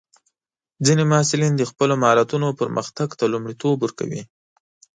ځینې محصلین د خپلو مهارتونو پرمختګ ته لومړیتوب ورکوي.